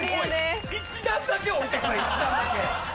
１段だけ下りてくれ１段だけ。